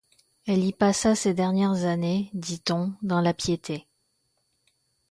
Elle y passa ses dernières années, dit-on, dans la piété.